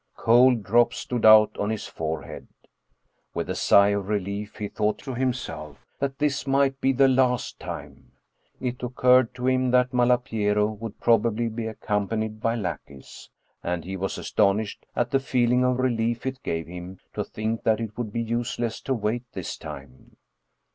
Cold drops stood out on his forehead with a sigh of relief he thought to himself that this might be the last time. It occurred to him that Malapiero would probably be accompanied by lackeys, and he was astonished at the feeling of relief it gave him to think that it would be useless to wait this time.